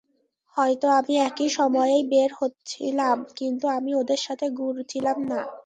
হয়তো আমি একই সময়েই বের হচ্ছিলাম, কিন্তু আমি ওদের সাথে ঘুরছিলাম না।